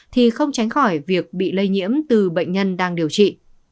thì không tránh khỏi việc bị lây nhiễm từ bệnh nhân đang điều trị